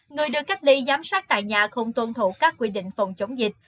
người được cách ly giám sát tại nhà không tuân thủ các quy định phòng chống dịch